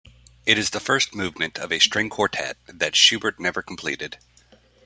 It is the first movement of a string quartet that Schubert never completed.